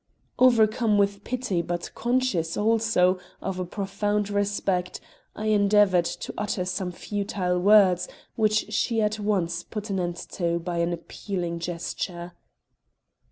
Overcome with pity, but conscious, also, of a profound respect, I endeavored to utter some futile words, which she at once put an end to by an appealing gesture.